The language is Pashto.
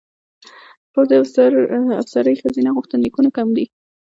پوځ افسرۍ ښځینه غوښتنلیکونه کم دي.